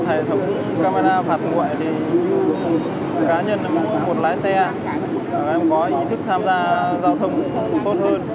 hệ thống camera phạt ngoại thì cá nhân một lái xe có ý thức tham gia giao thông tốt hơn